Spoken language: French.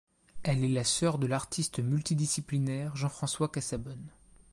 Elle est la sœur de l'artiste multidisciplinaire Jean-François Casabonne.